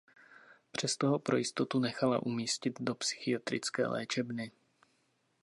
Přesto ho pro jistotu nechala umístit do psychiatrické léčebny.